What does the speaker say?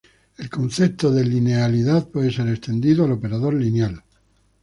El concepto de linealidad puede ser extendido al operador lineal.